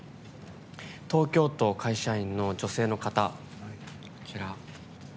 東京都会社員の女性の方。